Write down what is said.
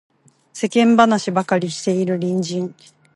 世間話ばかりしている隣人